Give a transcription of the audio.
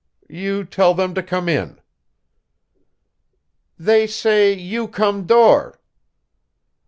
"You tell them to come in." "They say you come door."